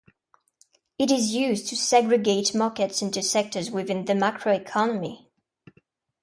It is used to segregate markets into sectors within the macroeconomy.